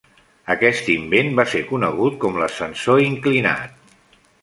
Aquest invent va ser conegut com l'ascensor inclinat.